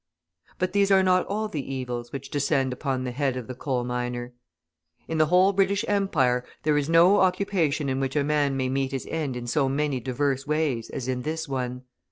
But these are not all the evils which descend upon the head of the coal miner. In the whole British Empire there is no occupation in which a man may meet his end in so many diverse ways as in this one.